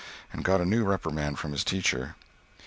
and got a new reprimand from his teacher.